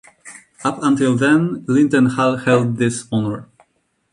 Up until then Linden Hall held this honour.